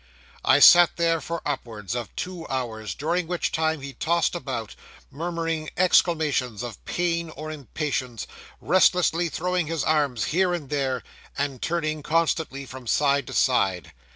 'I sat there for upwards of two hours, during which time he tossed about, murmuring exclamations of pain or impatience, restlessly throwing his arms here and there, and turning constantly from side to side.